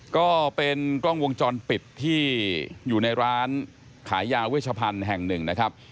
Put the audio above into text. ก็เป็นกล้องวงจรปิดที่อยู่ในร้านขายยาเวชพันธุ์แห่งหนึ่งนะครับ